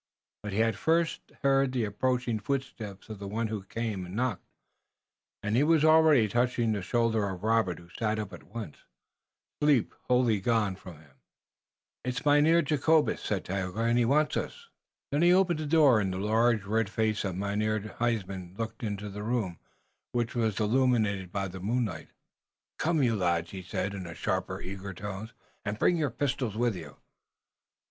But he had first heard the approaching footsteps of the one who came and knocked, and he was already touching the shoulder of Robert, who sat up at once, sleep wholly gone from him. "It is Mynheer Jacobus," said Tayoga, "and he wants us." Then he opened the door and the large red face of Mynheer Huysman looked into the room, which was illuminated by the moonlight. "Come, you lads," he said, in sharp, eager tones, "und bring your pistols with you."